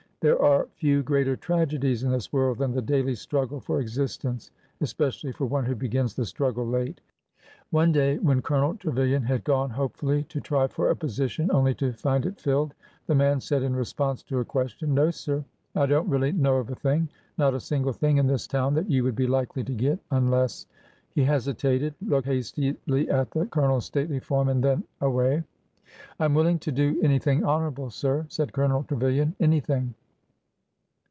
There are few greater tragedies in this world than the daily struggle for existence, especially for one who begins the struggle late. One day, when Colonel Trevilian had gone hopefully to try for a position only to find it filled, the man said in response to a question: No, sir ; I don't really know of a thing — not a single thing in this town that you would be likely to get— un less —" He hesitated, looked hastily at the Colonel's stately form, and then away. I am willing to do anything honorable, sir," said Colonel Trevilian,—'" anything!